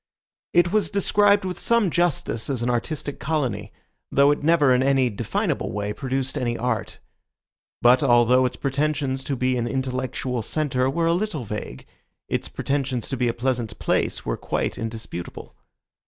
It was described with some justice as an artistic colony, though it never in any definable way produced any art. But although its pretensions to be an intellectual centre were a little vague, its pretensions to be a pleasant place were quite indisputable.